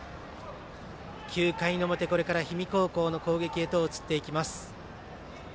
９回の表、これから氷見高校の攻撃へと移っていきます。